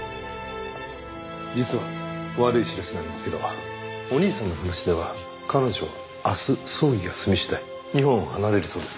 実は悪い知らせなんですけどお兄さんの話では彼女は明日葬儀が済み次第日本を離れるそうです。